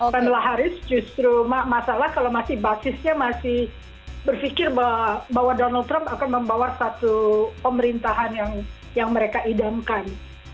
kamala harris justru masalah kalau masih basisnya masih berpikir bahwa donald trump akan membawa satu pemerintahan yang mereka idamkan